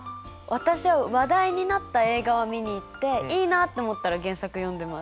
私は話題になった映画はみに行っていいなと思ったら原作読んでます。